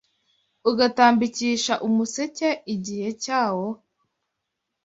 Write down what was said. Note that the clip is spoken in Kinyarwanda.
Ugatambikisha umuseke igihe cyawo?